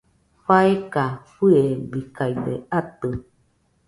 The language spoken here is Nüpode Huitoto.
faeka fɨebikaide atɨ